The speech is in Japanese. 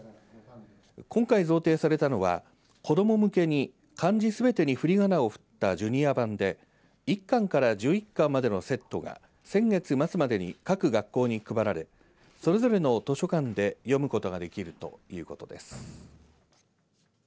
今回贈呈されたのは子ども向けに漢字すべてにふりがなを振ったジュニア版で１巻から１１巻までのセットが先月末までに各学校に配られそれぞれの図書館で読むことができるということです。